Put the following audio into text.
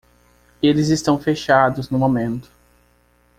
Eles estão fechados no momento.